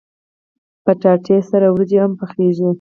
کچالو سره وريجې هم پخېږي